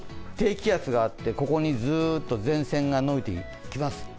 低気圧があって、ここにずっと前線が伸びてきます。